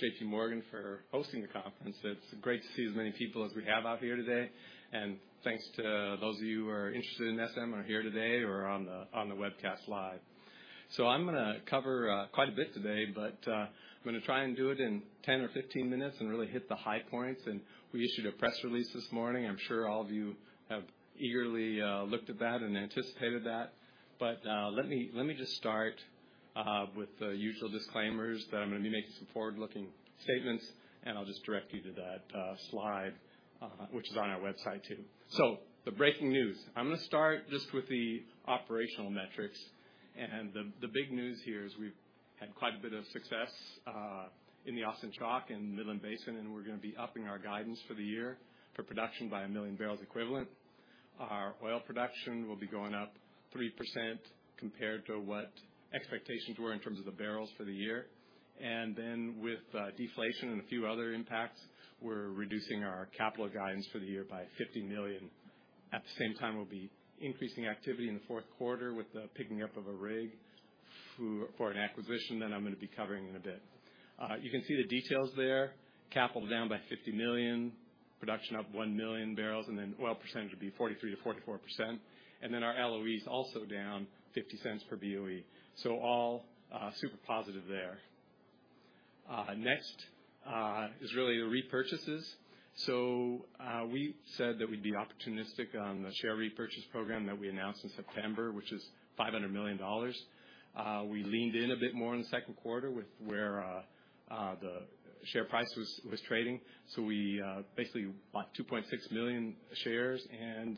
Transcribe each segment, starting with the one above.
JPMorgan for hosting the conference. It's great to see as many people as we have out here today, and thanks to those of you who are interested in SM, are here today or on the webcast live. I'm gonna cover quite a bit today, but I'm gonna try and do it in 10 or 15 minutes and really hit the high points. We issued a press release this morning. I'm sure all of you have eagerly looked at that and anticipated that. Let me just start with the usual disclaimers, that I'm gonna be making some forward-looking statements, and I'll just direct you to that slide, which is on our website, too. The breaking news. I'm gonna start just with the operational metrics. The big news here is we've had quite a bit of success in the Austin Chalk and Midland Basin. We're gonna be upping our guidance for the year for production by 1 million barrels equivalent. Our oil production will be going up 3% compared to what expectations were in terms of the barrels for the year. With deflation and a few other impacts, we're reducing our capital guidance for the year by $50 million. At the same time, we'll be increasing activity in the fourth quarter with the picking up of a rig for an acquisition that I'm gonna be covering in a bit. You can see the details there. Capital down by $50 million, production up 1 million barrels, and then oil percentage will be 43%-44%, and then our LOE is also down $0.50 per BOE. All super positive there. Next is really the repurchases. We said that we'd be opportunistic on the share repurchase program that we announced in September, which is $500 million. We leaned in a bit more in the second quarter with where the share price was trading, we basically bought 2.6 million shares, and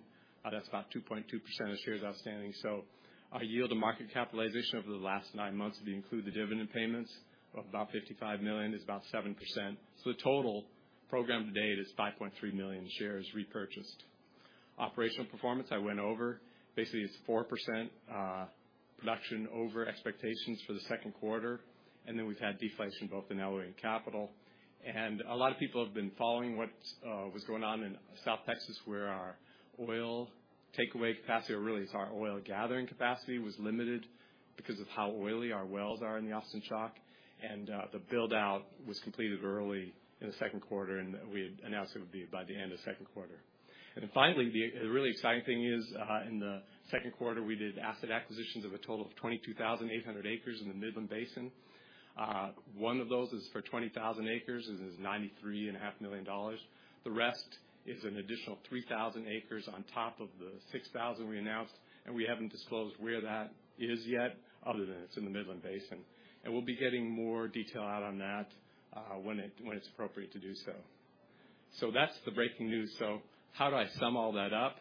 that's about 2.2% of shares outstanding. Our yield to market capitalization over the last 9 months, if you include the dividend payments of about $55 million, is about 7%. The total program to date is 5.3 million shares repurchased. Operational performance, I went over. Basically, it's 4% production over expectations for the second quarter. We've had deflation both in LOE and capital. A lot of people have been following what was going on in South Texas, where our oil takeaway capacity or really it's our oil gathering capacity, was limited because of how oily our wells are in the Austin Chalk. The build-out was completed early in the second quarter, and we had announced it would be by the end of the second quarter. Finally, the really exciting thing is in the second quarter, we did asset acquisitions of a total of 22,800 acres in the Midland Basin. One of those is for 20,000 acres and is $93 and a half million dollars. The rest is an additional 3,000 acres on top of the 6,000 we announced. We haven't disclosed where that is yet, other than it's in the Midland Basin. We'll be getting more detail out on that when it's appropriate to do so. That's the breaking news. How do I sum all that up?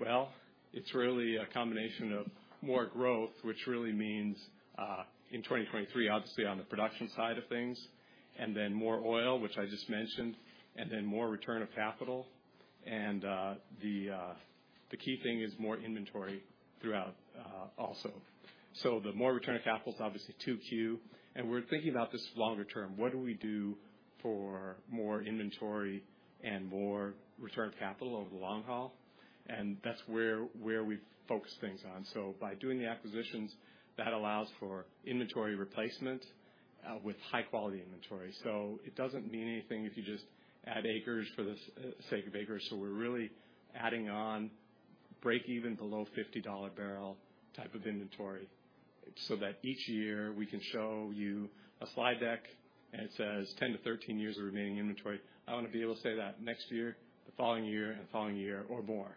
Well, it's really a combination of more growth, which really means in 2023, obviously on the production side of things, and then more oil, which I just mentioned, and then more return of capital, and the key thing is more inventory throughout also. The more return of capital is obviously 2Q. We're thinking about this longer term. What do we do for more inventory and more return of capital over the long haul? That's where we focus things on. By doing the acquisitions, that allows for inventory replacement with high-quality inventory. It doesn't mean anything if you just add acres for the sake of acres. We're really adding on break even below $50 barrel type of inventory, so that each year we can show you a slide deck and it says, "10-13 years of remaining inventory." I want to be able to say that next year, the following year, and the following year, or more.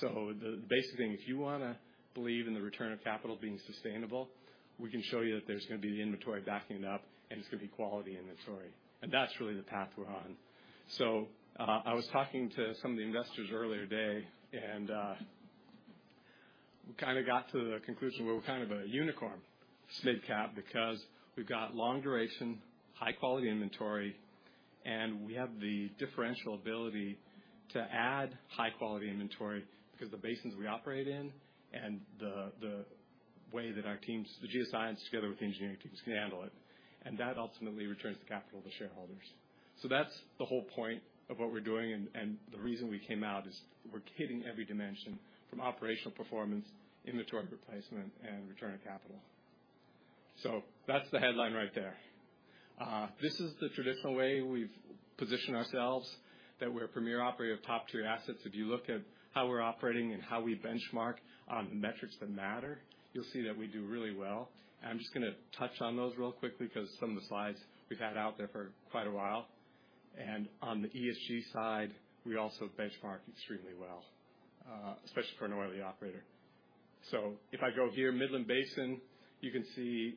The basic thing, if you want to believe in the return of capital being sustainable, we can show you that there's going to be the inventory backing it up, and it's going to be quality inventory, and that's really the path we're on. I was talking to some of the investors earlier today, and, we kind of got to the conclusion we're kind of a unicorn midcap because we've got long duration, high-quality inventory, and we have the differential ability to add high-quality inventory because the basins we operate in and the way that our teams, the geoscience together with the engineering teams, can handle it, and that ultimately returns the capital to shareholders. That's the whole point of what we're doing and the reason we came out is we're hitting every dimension, from operational performance, inventory replacement, and return on capital. That's the headline right there. This is the traditional way we've positioned ourselves, that we're a premier operator of top-tier assets. If you look at how we're operating and how we benchmark on the metrics that matter, you'll see that we do really well. I'm just gonna touch on those real quickly because some of the slides we've had out there for quite a while, on the ESG side, we also benchmark extremely well, especially for an oily operator. If I go here, Midland Basin, you can see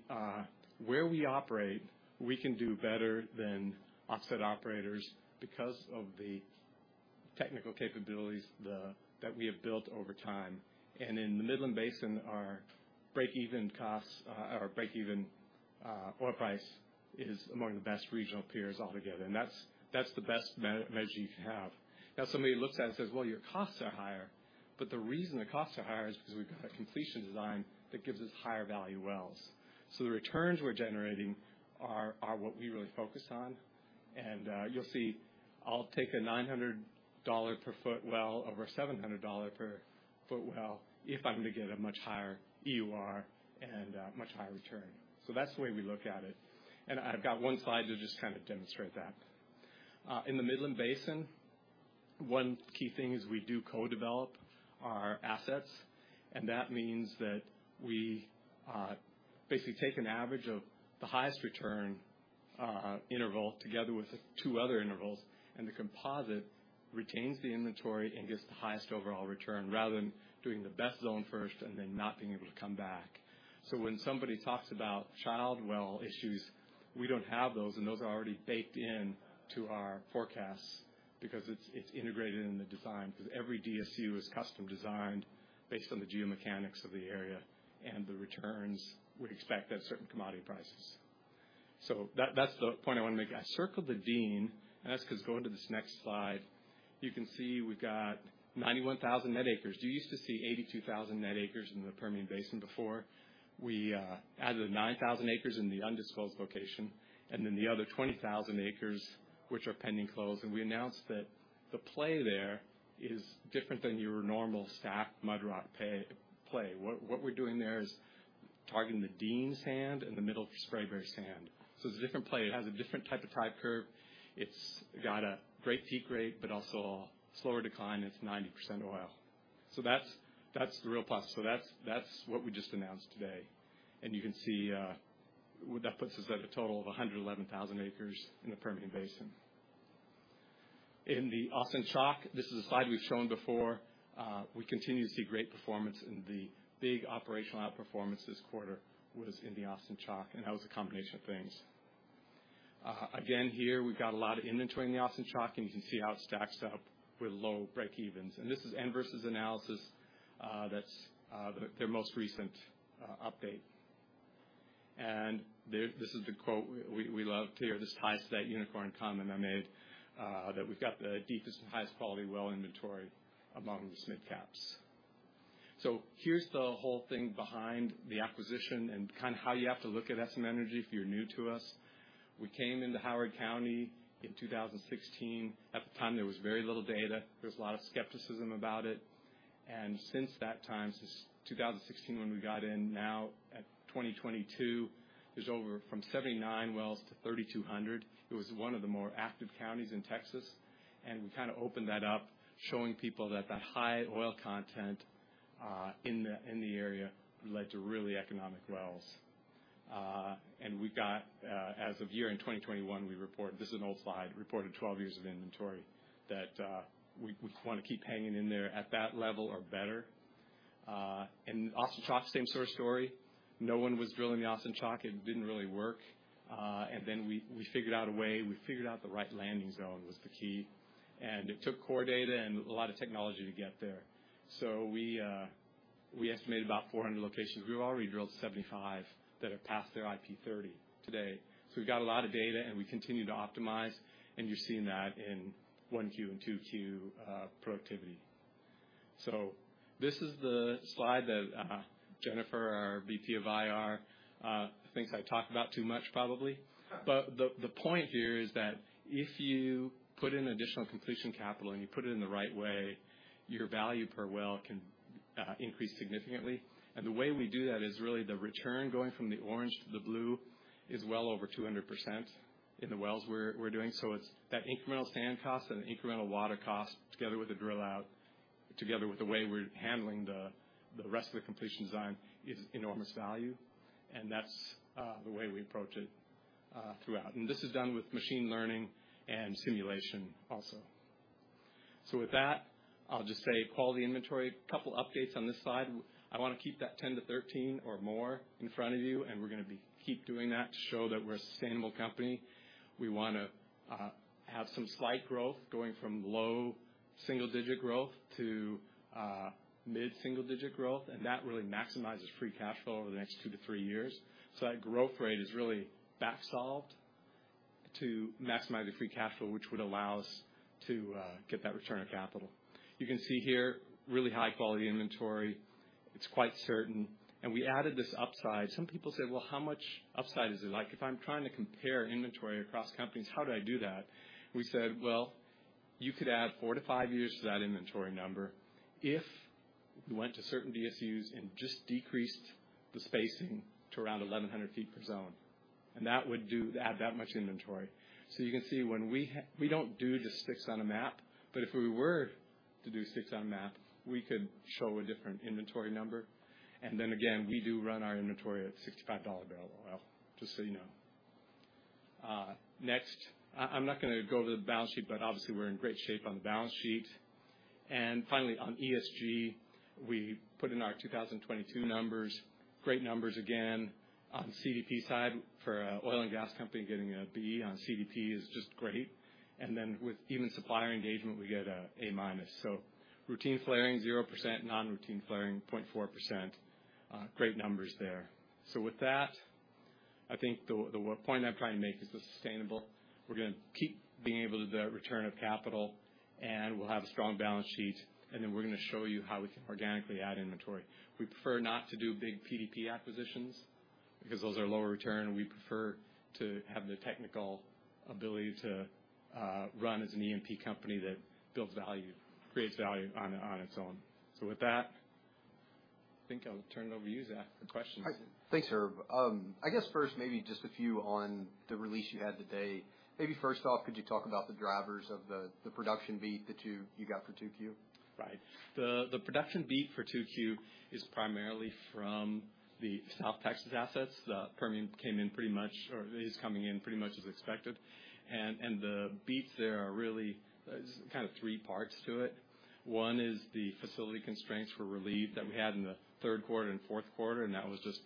where we operate, we can do better than offset operators because of the technical capabilities that we have built over time. In the Midland Basin, our break-even costs, our break-even oil price is among the best regional peers altogether, that's the best measure you can have. Somebody looks at it and says, "Well, your costs are higher," the reason the costs are higher is because we've got a completion design that gives us higher value wells. The returns we're generating are what we really focus on. You'll see I'll take a $900 per foot well over a $700 per foot well if I'm going to get a much higher EUR and much higher return. That's the way we look at it, and I've got one slide to just kind of demonstrate that. In the Midland Basin, one key thing is we do co-develop our assets, and that means that we basically take an average of the highest return interval together with two other intervals, and the composite retains the inventory and gets the highest overall return, rather than doing the best zone first and then not being able to come back. When somebody talks about child well issues, we don't have those, and those are already baked in to our forecasts because it's integrated in the design. Because every DSU is custom designed based on the geomechanics of the area, and the returns we expect at certain commodity prices. That's the point I want to make. I circled the Dean, and that's because go into this next slide. You can see we've got 91,000 net acres. You used to see 82,000 net acres in the Permian Basin before. We added 9,000 acres in the undisclosed location, then the other 20,000 acres, which are pending close. We announced that the play there is different than your normal stacked mudrock pay play. What we're doing there is targeting the Dean Sand and the Middle Spraberry sand. It's a different play. It has a different type of type curve. It's got a great peak rate, but also a slower decline, and it's 90% oil. That's the real plus. That's what we just announced today, and you can see, well, that puts us at a total of 111,000 acres in the Permian Basin. In the Austin Chalk. This is a slide we've shown before. We continue to see great performance in the big operational outperformance this quarter was in the Austin Chalk, that was a combination of things. Again, here, we've got a lot of inventory in the Austin Chalk, you can see how it stacks up with low breakevens. This is Enverus analysis. That's their most recent update. This is the quote. We love to hear this high-stake unicorn comment I made that we've got the deepest and highest quality well inventory among the mid caps. Here's the whole thing behind the acquisition and kind of how you have to look at SM Energy if you're new to us. We came into Howard County in 2016. At the time, there was very little data. There was a lot of skepticism about it. Since that time, since 2016, when we got in, now at 2022, there's over from 79 wells to 3,200. It was one of the more active counties in Texas, and we kind of opened that up, showing people that the high oil content in the area led to really economic wells. We got as of year-end in 2021, reported 12 years of inventory, that we want to keep hanging in there at that level or better. Austin Chalk, same sort of story. No one was drilling the Austin Chalk. It didn't really work. Then we figured out a way, we figured out the right landing zone was the key, and it took core data and a lot of technology to get there. We estimated about 400 locations. We've already drilled 75 that have passed their IP30 today. We've got a lot of data, and we continue to optimize, and you're seeing that in 1 Q and 2 Q productivity. This is the slide that Jennifer, our VP of IR, thinks I talk about too much, probably. The point here is that if you put in additional completion capital, and you put it in the right way, your value per well can increase significantly. The way we do that is really the return going from the orange to the blue is well over 200% in the wells we're doing. It's that incremental sand cost and the incremental water cost together with the drill out, together with the way we're handling the rest of the completion design, is enormous value, and that's the way we approach it throughout. This is done with machine learning and simulation also. With that, I'll just say quality inventory. Couple updates on this slide. I want to keep that 10-13 or more in front of you, and we're gonna be keep doing that to show that we're a sustainable company. We wanna have some slight growth going from low single digit growth to mid-single digit growth, and that really maximizes free cash flow over the next 2-3 years. That growth rate is really back solved to maximize the free cash flow, which would allow us to get that return on capital. You can see here really high-quality inventory. It's quite certain. We added this upside. Some people say, "Well, how much upside is it? Like, if I'm trying to compare inventory across companies, how do I do that?" We said, "Well, you could add 4-5 years to that inventory number if you went to certain DSUs and just decreased the spacing to around 1,100 feet per zone, and that would do... add that much inventory." You can see when we don't do just sticks on a map, but if we were to do sticks on a map, we could show a different inventory number. Then again, we do run our inventory at $65 barrel oil, just so you know. Next, I'm not gonna go to the balance sheet, but obviously we're in great shape on the balance sheet. Finally, on ESG, we put in our 2022 numbers. Great numbers again on the CDP side. For an oil and gas company, getting a B on CDP is just great, and then with even supplier engagement, we get a A minus. Routine flaring, 0%. Non-routine flaring, 0.4%. Great numbers there. With that, I think the point I'm trying to make is we're sustainable. We're gonna keep being able to do that return of capital, and we'll have a strong balance sheet, and then we're gonna show you how we can organically add inventory. We prefer not to do big PDP acquisitions because those are lower return. We prefer to have the technical ability to run as an E&P company that builds value, creates value on its own. With that, I think I'll turn it over to you, Zach, for questions. Thanks, Herb. I guess first, maybe just a few on the release you had today. Maybe first off, could you talk about the drivers of the production beat that you got for 2Q? Right. The production beat for 2Q is primarily from the South Texas assets. The Permian came in pretty much, or is coming in pretty much as expected, and the beats there are really kind of three parts to it. One is the facility constraints were relieved that we had in the third quarter and fourth quarter, and that was just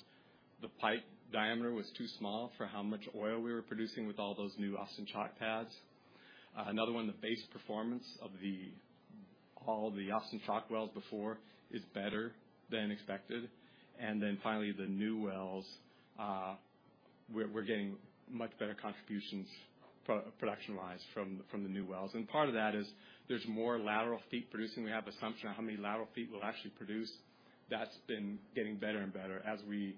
the pipe diameter was too small for how much oil we were producing with all those new Austin Chalk pads. Another one, the base performance of all the Austin Chalk wells before is better than expected. Finally, the new wells, we're getting much better contributions production-wise from the new wells. Part of that is there's more lateral feet producing. We have assumption on how many lateral feet will actually produce. That's been getting better and better as we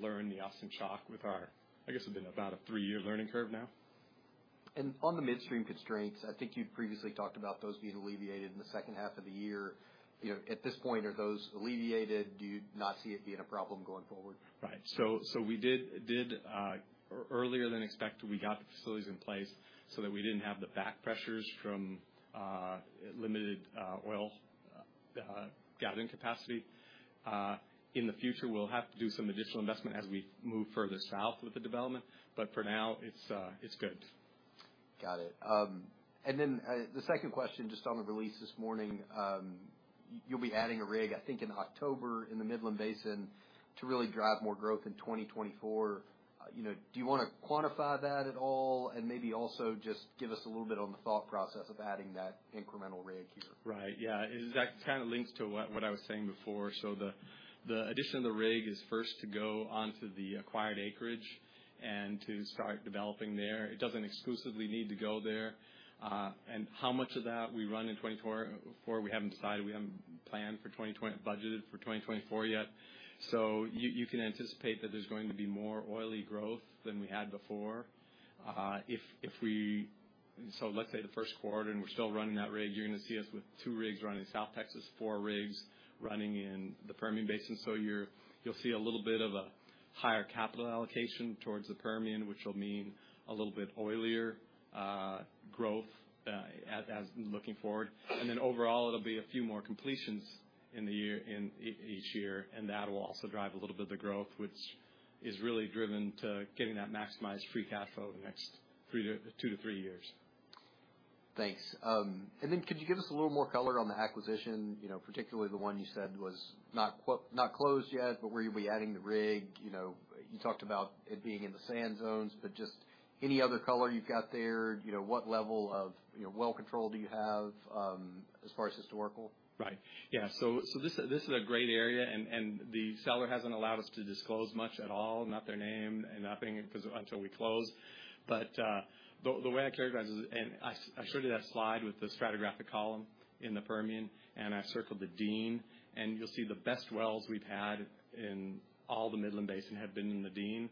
learn the Austin Chalk with our, I guess, about a three-year learning curve now. On the midstream constraints, I think you'd previously talked about those being alleviated in the second half of the year. You know, at this point, are those alleviated? Do you not see it being a problem going forward? Right. We did earlier than expected, we got the facilities in place so that we didn't have the back pressures from limited oil gathering capacity. In the future, we'll have to do some additional investment as we move further south with the development, but for now, it's good. Got it. The second question, just on the release this morning. You'll be adding a rig, I think, in October in the Midland Basin to really drive more growth in 2024. You know, do you wanna quantify that at all? Maybe also just give us a little bit on the thought process of adding that incremental rig here? Right. Yeah. That kind of links to what I was saying before. The addition of the rig is first to go onto the acquired acreage and to start developing there. It doesn't exclusively need to go there. How much of that we run in 2024, we haven't decided. We haven't budgeted for 2024 yet. You can anticipate that there's going to be more oily growth than we had before. If we so let's say the first quarter, and we're still running that rig, you're gonna see us with 2 rigs running in South Texas, 4 rigs running in the Permian Basin. You'll see a little bit of a higher capital allocation towards the Permian, which will mean a little bit oilier growth as looking forward. Overall, it'll be a few more completions in the year, each year, that will also drive a little bit of the growth, which is really driven to getting that maximized free cash flow the next 2-3 years. Thanks. Then could you give us a little more color on the acquisition, you know, particularly the one you said was not closed yet, but where you'll be adding the rig? You know, you talked about it being in the sand zones, but just any other color you've got there, you know, what level of, you know, well control do you have, as far as historical? Right. Yeah. This is a great area, and the seller hasn't allowed us to disclose much at all, not their name and nothing, because until we close. The way I characterize this, and I showed you that slide with the stratigraphic column in the Permian, and I circled the Dean, and you'll see the best wells we've had in all the Midland Basin have been in the Dean.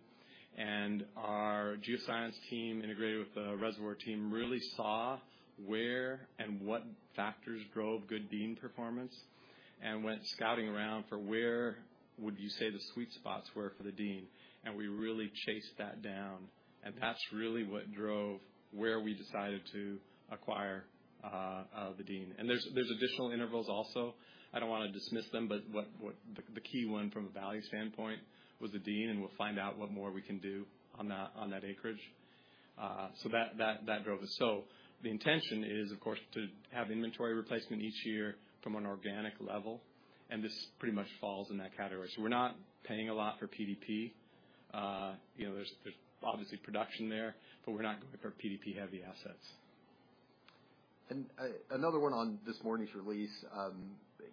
Our geoscience team, integrated with the reservoir team, really saw where and what factors drove good Dean performance and went scouting around for where would you say the sweet spots were for the Dean, and we really chased that down, and that's really what drove where we decided to acquire the Dean. There's additional intervals also. I don't wanna dismiss them. What the key one from a value standpoint was the Dean, and we'll find out what more we can do on that acreage. That drove us. The intention is, of course, to have inventory replacement each year from an organic level, and this pretty much falls in that category. We're not paying a lot for PDP. You know, there's obviously production there, but we're not going for PDP-heavy assets. Another one on this morning's release.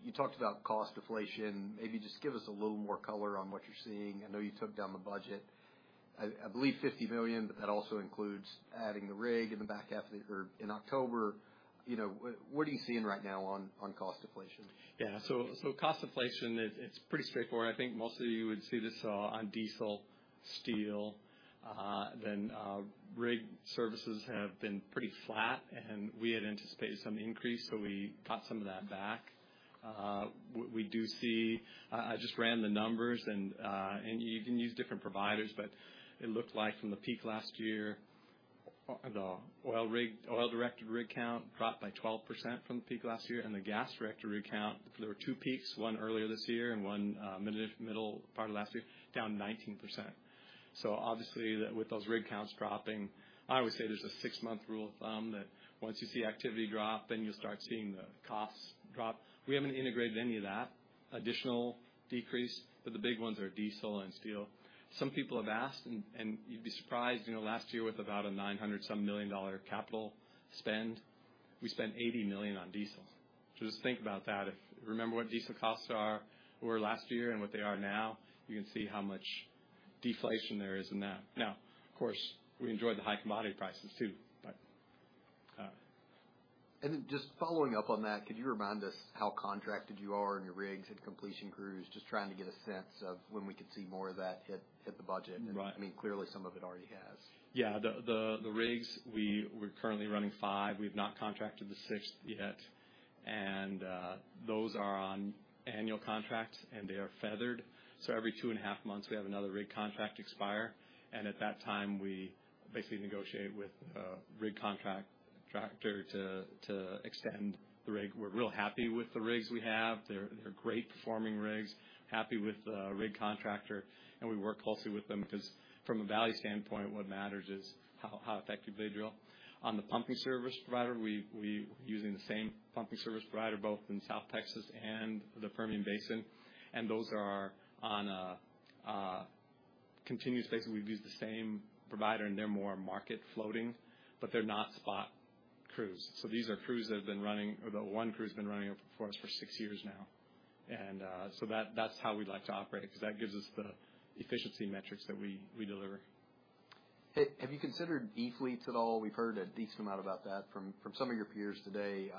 You talked about cost deflation. Maybe just give us a little more color on what you're seeing. I know you took down the budget, I believe $50 million, but that also includes adding the rig in the back half of the year, in October. You know, what are you seeing right now on cost deflation? Cost deflation, it's pretty straightforward. I think most of you would see this on diesel, steel, rig services have been pretty flat, we had anticipated some increase, we got some of that back. We do see. I just ran the numbers, you can use different providers, it looked like from the peak last year, the oil rig, oil-directed rig count dropped by 12% from the peak last year, the gas-directed rig count, there were two peaks, one earlier this year and one middle part of last year, down 19%. Obviously, with those rig counts dropping, I would say there's a six-month rule of thumb, that once you see activity drop, you'll start seeing the costs drop. We haven't integrated any of that additional decrease. The big ones are diesel and steel. Some people have asked, and you'd be surprised, you know, last year, with about a 900 some million dollar capital spend, we spent $80 million on diesel. Just think about that. If you remember what diesel costs are, were last year and what they are now, you can see how much deflation there is in that. Of course, we enjoyed the high commodity prices, too, but. Then just following up on that, could you remind us how contracted you are in your rigs and completion crews? Just trying to get a sense of when we could see more of that hit the budget. Right. I mean, clearly, some of it already has. The rigs, we're currently running five. We've not contracted the sixth yet, and those are on annual contracts, and they are feathered. Every two and a half months, we have another rig contract expire, and at that time, we basically negotiate with rig contractor to extend the rig. We're real happy with the rigs we have. They're great performing rigs, happy with the rig contractor, and we work closely with them because from a value standpoint, what matters is how effective they drill. On the pumping service provider, we using the same pumping service provider, both in South Texas and the Permian Basin, and those are on a continuous basis. We've used the same provider, and they're more market floating, but they're not spot crews. These are crews that have been running... The one crew's been running it for us for six years now, and that's how we like to operate, 'cause that gives us the efficiency metrics that we deliver. Have you considered e-fleets at all? We've heard a decent amount about that from some of your peers today.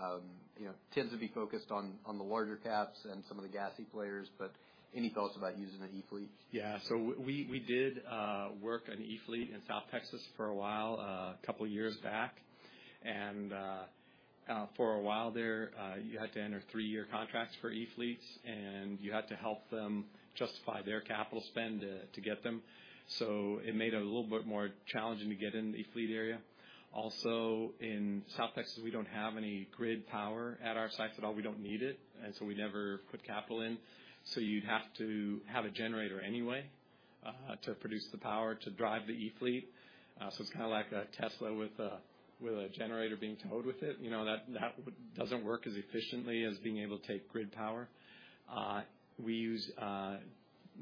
You know, tends to be focused on the larger caps and some of the gassy players, but any thoughts about using an e-fleet? Yeah. We did work on E-fleet in South Texas for a while, a couple years back. For a while there, you had to enter three-year contracts for E-fleets, and you had to help them justify their capital spend to get them. It made it a little bit more challenging to get in the E-fleet area. Also, in South Texas, we don't have any grid power at our sites at all. We don't need it, we never put capital in. You'd have to have a generator anyway to produce the power to drive the E-fleet. It's kinda like a Tesla with a generator being towed with it. You know, that doesn't work as efficiently as being able to take grid power. We use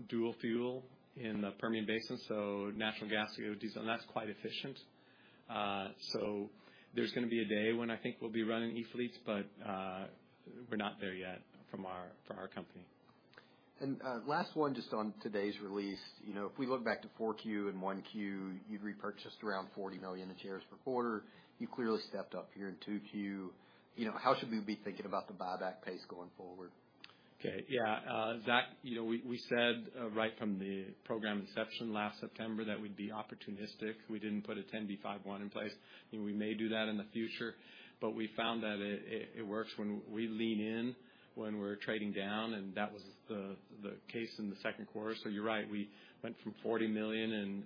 dual fuel in the Permian Basin, so natural gas, diesel, and that's quite efficient. There's gonna be a day when I think we'll be running e-fleets, but we're not there yet for our company. Last one, just on today's release. You know, if we look back to 4Q and 1Q, you've repurchased around $40 million in shares per quarter. You've clearly stepped up here in 2Q. You know, how should we be thinking about the buyback pace going forward? Okay. Yeah, Zach, you know, we said right from the program inception last September, that we'd be opportunistic. We didn't put a 10b5-1 in place, and we may do that in the future, but we found that it works when we lean in, when we're trading down, and that was the case in the second quarter. You're right, we went from $40 million and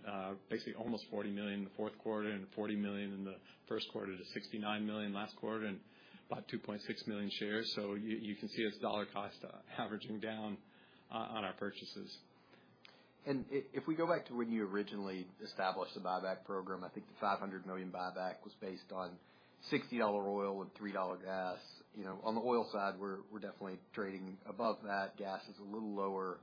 basically almost $40 million in the fourth quarter, and $40 million in the first quarter, to $69 million last quarter, and bought 2.6 million shares. You can see us dollar cost averaging down on our purchases. If we go back to when you originally established the buyback program, I think the $500 million buyback was based on $60 oil and $3 gas. You know, on the oil side, we're definitely trading above that. Gas is a little lower,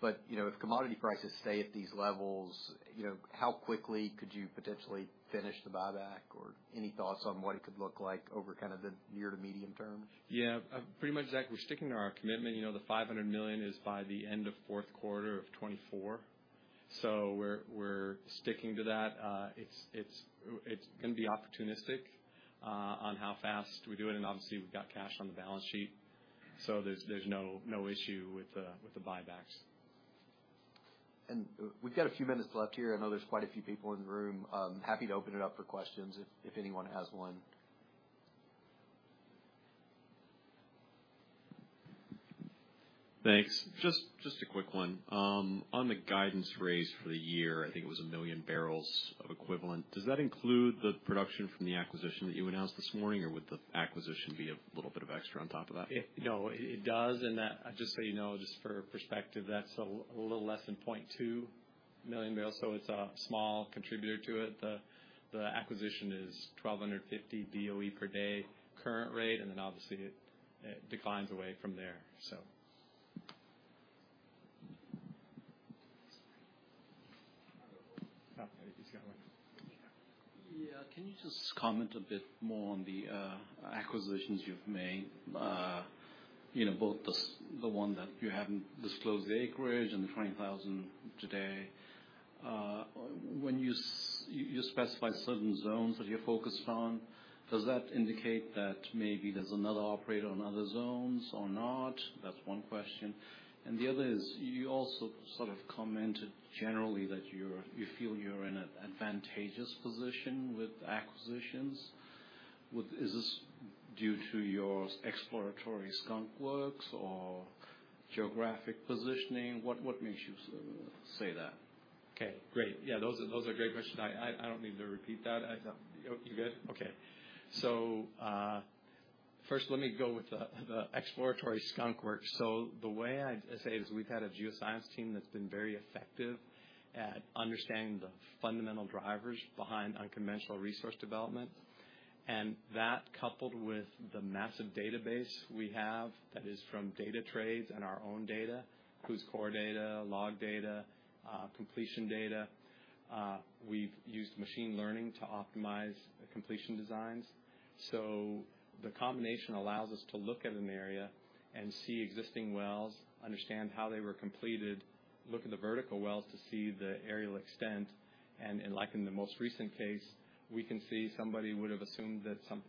but, you know, if commodity prices stay at these levels, you know, how quickly could you potentially finish the buyback? Or any thoughts on what it could look like over kind of the near to medium term? Yeah. pretty much, Zach, we're sticking to our commitment. You know, the $500 million is by the end of fourth quarter of 2024. We're sticking to that. It's gonna be opportunistic, on how fast we do it. Obviously, we've got cash on the balance sheet. There's no issue with the buybacks. We've got a few minutes left here. I know there's quite a few people in the room. happy to open it up for questions if anyone has one. Thanks. Just a quick one. On the guidance raise for the year, I think it was 1 million barrels of equivalent. Does that include the production from the acquisition that you announced this morning, or would the acquisition be a little bit of extra on top of that? No, it does, just so you know, just for perspective, that's a little less than 0.2 million barrels, it's a small contributor to it. The acquisition is 1,250 BOE per day, current rate, obviously, it declines away from there. he's got one. Yeah. Can you just comment a bit more on the acquisitions you've made? You know, both the one that you haven't disclosed the acreage and the 20,000 today. When you specify certain zones that you're focused on, does that indicate that maybe there's another operator on other zones or not? That's one question. The other is, you also sort of commented generally that you feel you're in an advantageous position with acquisitions. Is this due to your exploratory skunk works or geographic positioning? What makes you say that? Great. Those are great questions. I don't need to repeat that. You're good? First, let me go with the exploratory skunk works. The way I'd say it is, we've had a geoscience team that's been very effective at understanding the fundamental drivers behind unconventional resource development, that, coupled with the massive database we have, that is from data trades and our own data, whose core data, log data, completion data. We've used machine learning to optimize the completion designs. The combination allows us to look at an area and see existing wells, understand how they were completed, look at the vertical wells to see the aerial extent, and like in the most recent case, we can see somebody would have assumed that some...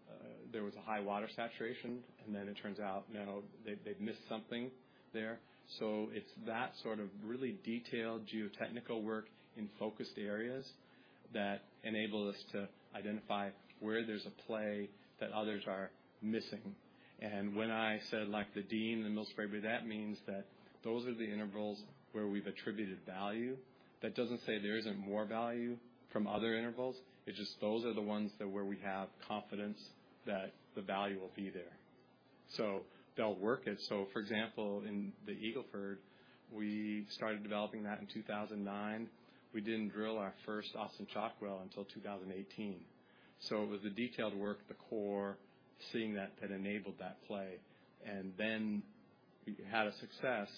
There was a high water saturation, and then it turns out, no, they've missed something there. It's that sort of really detailed geotechnical work in focused areas that enable us to identify where there's a play that others are missing. When I said, like, the Dean and the Millsap, that means that those are the intervals where we've attributed value. That doesn't say there isn't more value from other intervals. It's just those are the ones that where we have confidence that the value will be there, so they'll work it. For example, in the Eagle Ford, we started developing that in 2009. We didn't drill our first Austin Chalk well until 2018. It was the detailed work, the core, seeing that enabled that play. We had a success,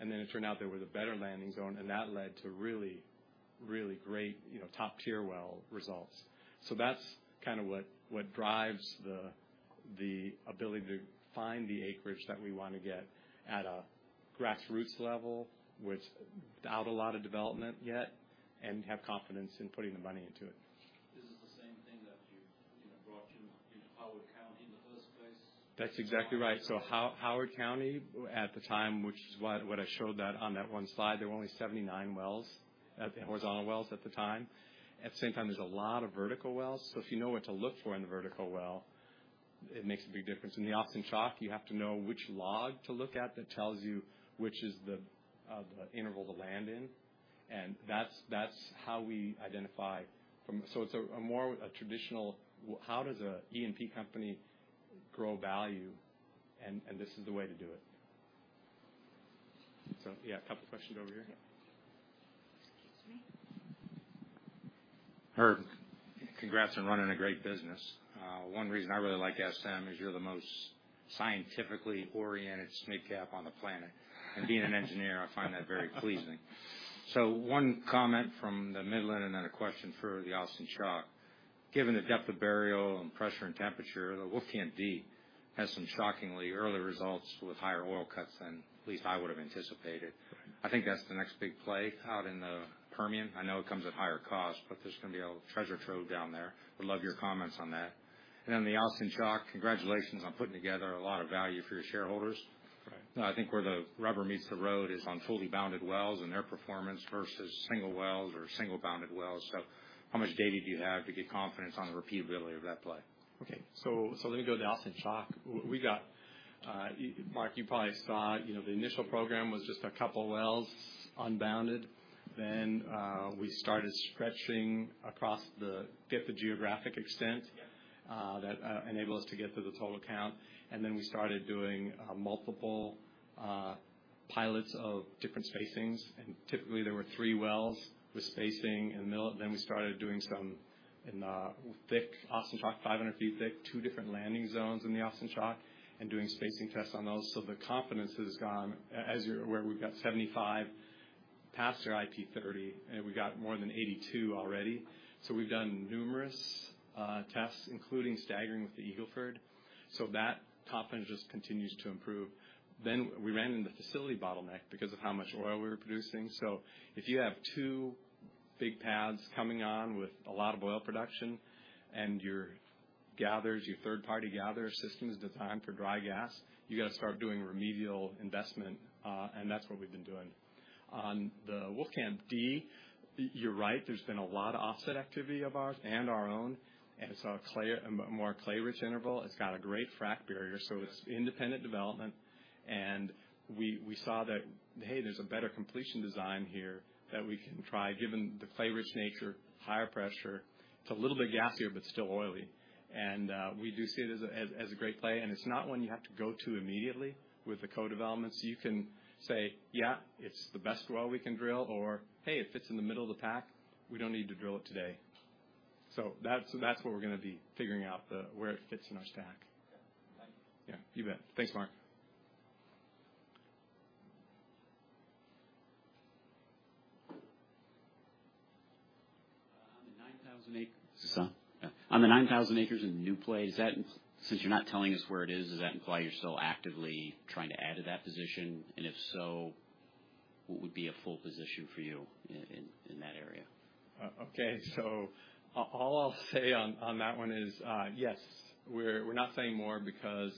and then it turned out there was a better landing zone, and that led to really, really great, you know, top-tier well results. That's kind of what drives the ability to find the acreage that we want to get at a grassroots level, which without a lot of development yet, and have confidence in putting the money into it. This is the same thing that you know, brought in in Howard County in the first place? That's exactly right. Howard County, at the time, which is what I showed that on that one slide, there were only 79 wells, horizontal wells at the time. At the same time, there's a lot of vertical wells, if you know what to look for in the vertical well, it makes a big difference. In the Austin Chalk, you have to know which log to look at. That tells you which is the interval to land in, and that's how we identify from... It's a more traditional how does a E&P company grow value? This is the way to do it. Yeah, a couple questions over here. Excuse me. Herb, congrats on running a great business. one reason I really like SM is you're the most scientifically oriented mid cap on the planet. being an engineer, I find that very pleasing. one comment from the Midland, then a question for the Austin Chalk. Given the depth of burial and pressure and temperature, the Wolfcamp D has some shockingly early results with higher oil cuts than at least I would've anticipated. I think that's the next big play out in the Permian. I know it comes at higher cost, but there's gonna be a treasure trove down there. Would love your comments on that. then the Austin Chalk, congratulations on putting together a lot of value for your shareholders. Right. I think where the rubber meets the road is on fully bounded wells and their performance versus single wells or single-bounded wells. How much data do you have to get confidence on the repeatability of that play? Okay. Let me go to the Austin Chalk. We got Mark, you probably saw, you know, the initial program was just a couple wells, unbounded. We started stretching get the geographic extent. Yeah. that enabled us to get to the total count. we started doing multiple pilots of different spacings, and typically there were three wells with spacing. In the middle, we started doing some in thick Austin Chalk, 500 feet thick, two different landing zones in the Austin Chalk, and doing spacing tests on those. The confidence has gone. As you're aware, we've got 75 pads that are IP30, and we've got more than 82 already. we've done numerous tests, including staggering with the Eagle Ford. That confidence just continues to improve. we ran into the facility bottleneck because of how much oil we were producing. If you have two big pads coming on with a lot of oil production and your gatherers, your third-party gatherer system, is designed for dry gas, you've got to start doing remedial investment, and that's what we've been doing. On the Wolfcamp D, you're right, there's been a lot of offset activity of ours and our own, and so a clay, a more clay-rich interval. It's got a great frack barrier, so it's independent development. We, we saw that, hey, there's a better completion design here that we can try, given the clay-rich nature, higher pressure. It's a little bit gassier, but still oily. We do see it as a, as a great play, and it's not one you have to go to immediately with the co-development. You can say, "Yeah, it's the best well we can drill," or, "Hey, it fits in the middle of the pack. We don't need to drill it today." That's what we're gonna be figuring out, the where it fits in our stack. Thank you. Yeah, you bet. Thanks, Mark. On the 9,000 acres. Sorry. Yeah. On the 9,000 acres in the new play, is that, since you're not telling us where it is, does that imply you're still actively trying to add to that position? If so, what would be a full position for you in, in that area? All I'll say on that one is, yes, we're not saying more because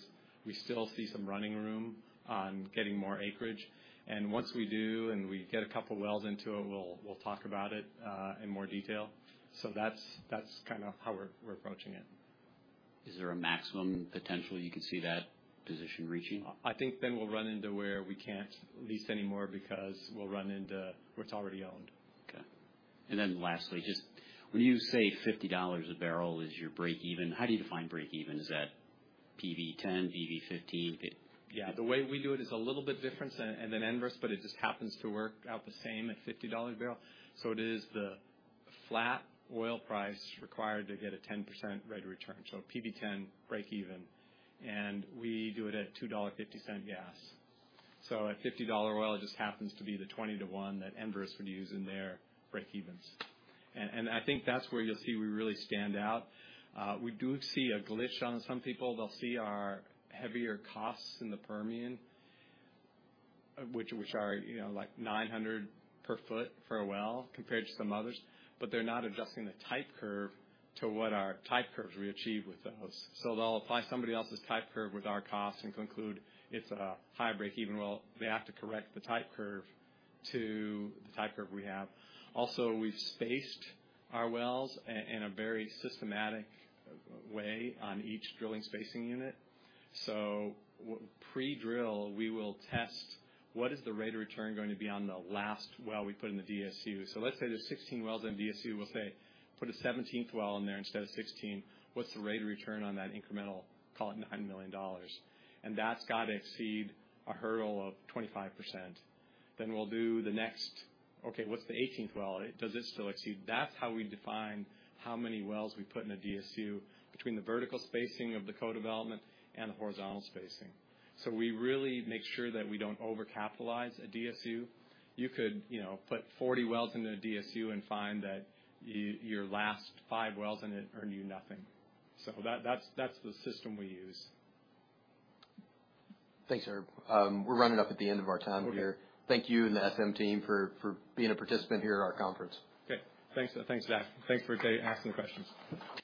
we still see some running room on getting more acreage. Once we do, and we get a couple wells into it, we'll talk about it in more detail. That's kind of how we're approaching it. Is there a maximum potential you can see that position reaching? I think then we'll run into where we can't lease anymore because we'll run into what's already owned. Okay. Lastly, just when you say $50 a barrel is your breakeven, how do you define breakeven? Is that PV10? PV15? The way we do it is a little bit different than Enverus, but it just happens to work out the same at $50 a barrel. It is the flat oil price required to get a 10% rate of return, so PV10 breakeven, and we do it at $2.50 gas. At $50 oil, it just happens to be the 20 to 1 that Enverus would use in their breakevens. I think that's where you'll see we really stand out. We do see a glitch on some people. They'll see our heavier costs in the Permian, which are, you know, like 900 per foot for a well compared to some others, but they're not adjusting the type curve to what our type curves we achieve with those. They'll apply somebody else's type curve with our costs and conclude it's a high breakeven well. They have to correct the type curve to the type curve we have. Also, we've spaced our wells in a very systematic way on each drilling spacing unit. Pre-drill, we will test what is the rate of return going to be on the last well we put in the DSU. Let's say there's 16 wells in DSU, we'll say, put a 17th well in there instead of 16. What's the rate of return on that incremental, call it $9 million? That's got to exceed a hurdle of 25%. We'll do the next. Okay, what's the 18th well? Does it still exceed? That's how we define how many wells we put in a DSU between the vertical spacing of the co-development and the horizontal spacing. We really make sure that we don't overcapitalize a DSU. You could, you know, put 40 wells into a DSU and find that your last five wells in it earn you nothing. That's the system we use. Thanks, Herb. We're running up at the end of our time here. Okay. Thank you and the SM team for being a participant here at our conference. Okay, thanks. Thanks, Jack. Thanks for asking questions.